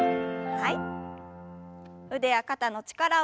はい。